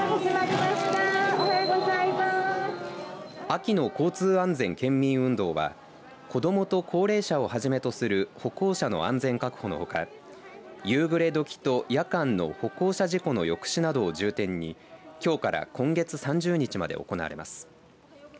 秋の交通安全県民運動は子どもと高齢者をはじめとする歩行者の安全確保のほか夕暮れ時と夜間の歩行者事故の抑止などを重点にきょうから今月３０日まで行われます。